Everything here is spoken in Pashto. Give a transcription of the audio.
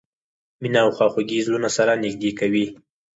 مینه او خواخوږي زړونه سره نږدې کوي.